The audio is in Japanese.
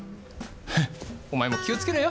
フッお前も気をつけろよ。